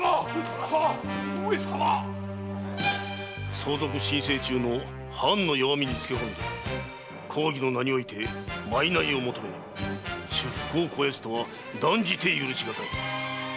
相続申請中の藩の弱みにつけ込み公儀の名において賄を求め私腹を肥やすとは断じて許しがたい。